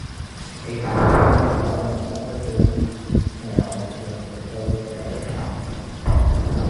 A highway running along the Upper Ganges canal has been proposed several times.